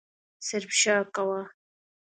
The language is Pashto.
صرف «ښه» کوه.